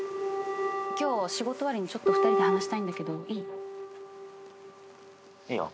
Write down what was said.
今日仕事終わりにちょっと２人で話したいんだけどいい？